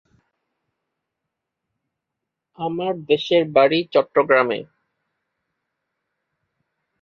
আমার দেশের বাড়ি চট্টগ্রামে।